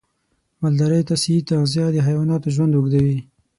مالدارۍ ته صحي تغذیه د حیواناتو ژوند اوږدوي.